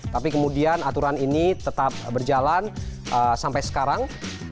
tapi kemudian aturan ini tetap berjalan sampai sekarang